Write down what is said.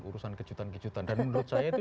urusan kejutan kejutan dan menurut saya itu